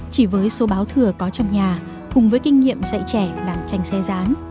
chỉ với số báo thừa có trong nhà cùng với kinh nghiệm dạy trẻ làm tranh xe rán